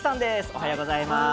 おはようございます。